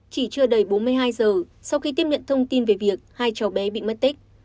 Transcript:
chỉ chưa đầy bốn mươi hai giờ sau khi tiếp nhận thông tin về việc hai cháu bé bị mất tích